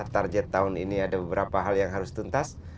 target tahun ini ada beberapa hal yang harus tuntas